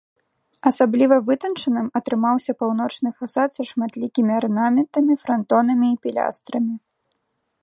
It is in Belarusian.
Асабліва вытанчаным атрымаўся паўночны фасад са шматлікімі арнаментамі, франтонамі і пілястрамі.